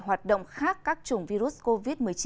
hoạt động khác các chủng virus covid một mươi chín